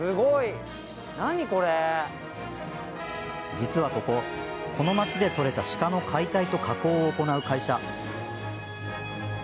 実はここ、この町でとれた鹿の解体と加工を行う会社。